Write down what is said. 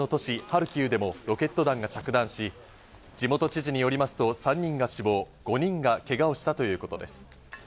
ハルキウでもロケット弾が着弾し、地元知事によりますと、３人が死亡、５人がけがをしたということです。